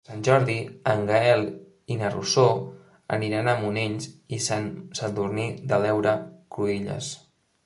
Per Sant Jordi en Gaël i na Rosó aniran a Monells i Sant Sadurní de l'Heura Cruïlles.